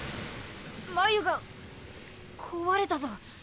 繭が壊れたぞ。